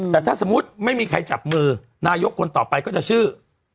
แต่ถ้าสมมุติไม่มีใครจับมือนายกคนต่อไปก็จะชื่อ